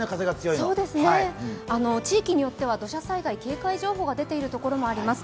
地域によってと土砂災害警戒情報が出ている所もあります。